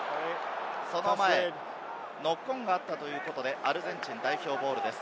その前にノックオンがあったということで、アルゼンチン代表ボールです。